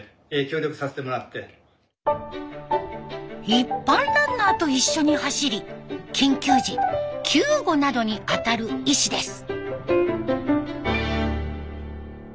毎年一般ランナーと一緒に走り緊急時救護などに当たる医師です。